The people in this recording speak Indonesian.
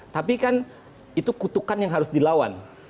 tapi kan itu kutukan yang harus dilawan